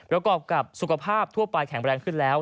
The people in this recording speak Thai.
แล้วก็กับสุขภาพทั่วไปแข็งแบรนด์ขึ้นแล้ว